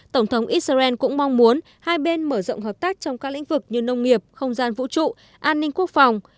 tổng thống israel cũng mong muốn hai bên mở rộng hợp tác trong các lĩnh vực như nông nghiệp không gian vũ trụ an ninh quốc phòng